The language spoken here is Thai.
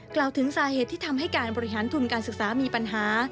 กล่าวถึงสาเหตุที่ทำให้การบริหารทุนการศึกษามีปัญหา